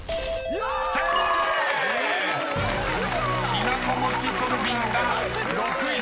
［「きな粉餅ソルビン」が６位です］